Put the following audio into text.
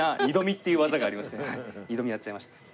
二度見やっちゃいました。